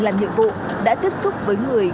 làm nhiệm vụ đã tiếp xúc với người